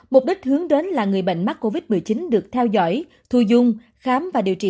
mục đích hướng đến là người bệnh mắc covid một mươi chín được theo dõi thu dung khám và điều trị